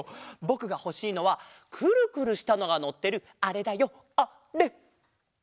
ぼくがほしいのはくるくるしたのがのってるあれだよあれ！